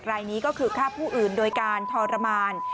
รายนี้ก็คือฆ่าผู้อื่นโดยการทรมาน